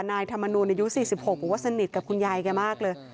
นายธรรมนูลอายุ๔๖บอกว่าสนิทกับคุณยายแกมากเลย